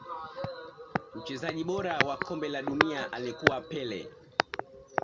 Mchezaji bora wa kombe la dunia alikuwa pele